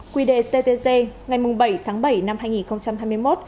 quy đề ttc ngày bảy tháng bảy năm hai nghìn hai mươi một